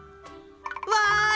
わい。